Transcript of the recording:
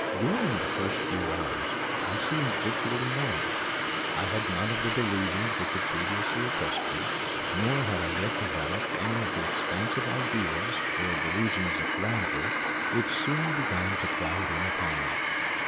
During the first few hours I seemed virtually normal. I had none of the delusions which had previously oppressed me; nor had I yet developed any of the expansive ideas, or delusions of grandeur, which soon began to crowd in upon me.